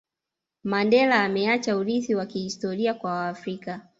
Mandela ameacha urithi wa kihistori kwa waafrika